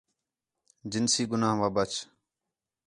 جنسی گُناہ وا ٻَچ